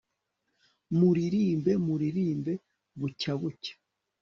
muririmbe, muririmbe, bucya bucya